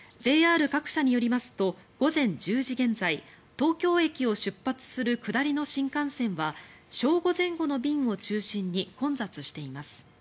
ＪＲ各社によりますと午前１０時現在東京駅を出発する下りの新幹線は正午前後の便を中心に混雑しています。